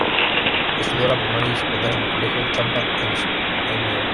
Estudió la primaria y secundaria en el Colegio Champagnat de los Hnos.